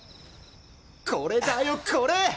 これだよこれ！